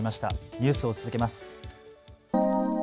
ニュースを続けます。